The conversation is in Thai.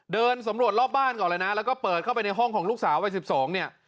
เดินสำรวจรอบบ้านก่อนเลยนะแล้วก็เปิดเข้าไปในห้องของลูกสาววัย๑๒เนี่ย